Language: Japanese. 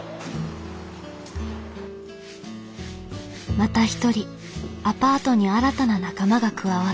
また一人アパートに新たな仲間が加わった。